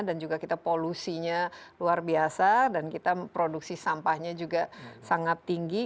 dan juga kita polusinya luar biasa dan kita produksi sampahnya juga sangat tinggi